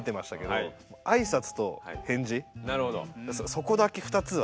そこだけ２つは。